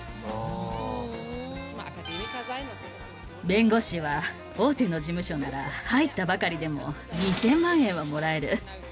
弁護士は大手の事務所なら入ったばかりでも２０００万円はもらえる。